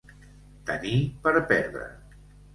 Tenir per perdre.